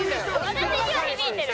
私には響いてる。